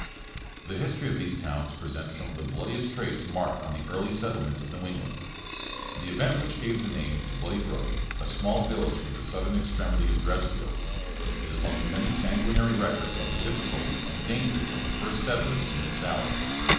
The history of these towns presents some of the bloodiest traits marked on the early settlements of New England. The event which gave the name to Bloody Brook, a small village near the southern extremity of Dresfield, is among many sanguinary records of the difficulties and dangers of the first settlers in this valley.